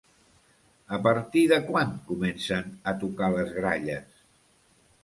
A partir de quan comencen a tocar les gralles?